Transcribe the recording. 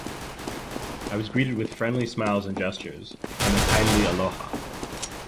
I was greeted with friendly smiles and gestures and the kindly aloha.